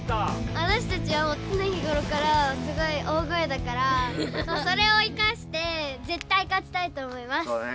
わたしたちはつねひごろからすごい大声だからそれを生かしてぜったい勝ちたいと思います！